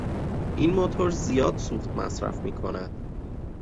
این موتور زیاد سوخت مصرف میکند.